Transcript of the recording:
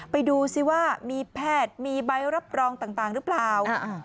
ไปดูซิว่ามีแพทย์มีใบรับรองต่างหรือเปล่า